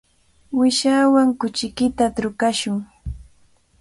Uyshaawan kuchiykita trukashun.